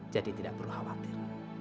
jadi tidak perlu khawatir